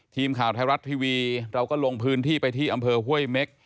ทีมข่าวไทยรัฐทีวีเราก็ลงพื้นที่ไปที่อำเภอห้วยเม็ก